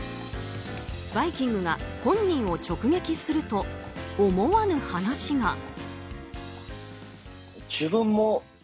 「バイキング」が本人を直撃すると思わぬ話が。